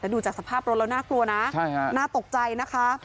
แต่ดูจากสภาพรถแล้วน่ากลัวนะน่าตกใจนะคะ